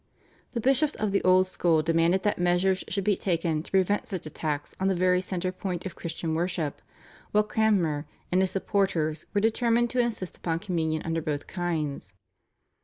The bishops of the old school demanded that measures should be taken to prevent such attacks on the very centre point of Christian worship, while Cranmer and his supporters were determined to insist upon Communion under both kinds.